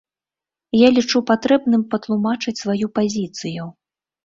Я лічу патрэбным патлумачыць сваю пазіцыю.